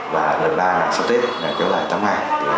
và đợt ba sau tết kéo dài tám ngày